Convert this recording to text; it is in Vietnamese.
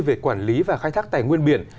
về quản lý và khai thác tài nguyên biển